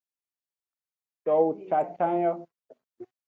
Towo cancan yo.